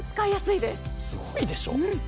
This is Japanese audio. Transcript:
すごいでしょ？